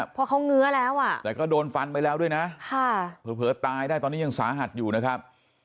เพราะเขาเงื้อแล้วอ่ะแต่ก็โดนฟันไปแล้วด้วยนะเผลอตายได้ตอนนี้ยังสาหัสอยู่นะครับ